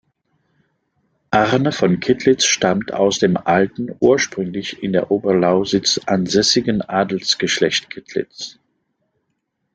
Arne von Kittlitz stammt aus dem alten, ursprünglich in der Oberlausitz ansässigen Adelsgeschlecht Kittlitz.